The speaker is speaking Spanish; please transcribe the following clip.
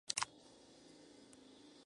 El demonio toma a Judith y la ata.